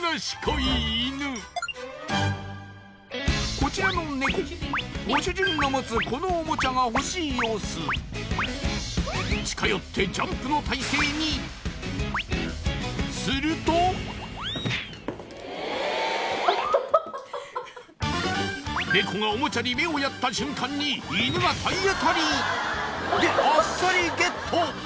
こちらのネコご主人の持つこのおもちゃが欲しい様子近寄ってジャンプの体勢にするとネコがおもちゃに目をやった瞬間に犬が体当たり！